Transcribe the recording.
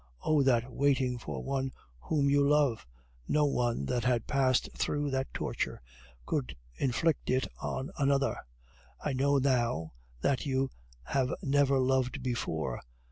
Oh, that waiting for one whom you love! No one that had passed through that torture could inflict it on another. I know now that you have never loved before.